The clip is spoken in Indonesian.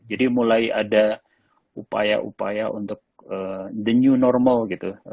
jadi mulai ada upaya upaya untuk the new normal gitu